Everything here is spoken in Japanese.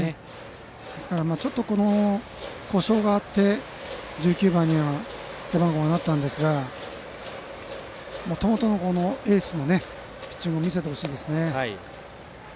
ですから、ちょっと故障があって背番号は１９番になったんですがもともとのエースのピッチングを見せてほしいですね。